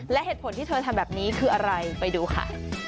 และเหตุผลที่เธอทำแบบนี้คืออะไรไปดูค่ะ